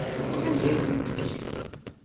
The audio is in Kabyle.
Anda ay ten-tkeyyfem?